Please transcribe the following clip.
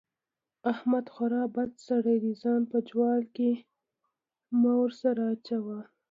احمد خورا بد سړی دی؛ ځان په جوال کې مه ور سره اچوه.